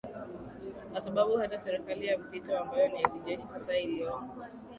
kwa sababu hata serikali ya mpito ambayo ni ya kijeshi sasa iliopo